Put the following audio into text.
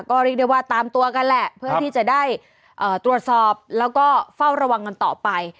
ก็เรียกได้ว่าตามตัวกันแหละเพื่อที่จะได้ตรวจสอบแล้วก็เฝ้าระวังกันต่อไป